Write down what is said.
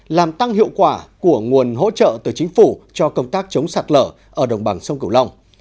làm tăng hiệu quả của nguồn hỗ trợ từ chính phủ cho công tác chống sạt lở ở đồng bằng sông cửu long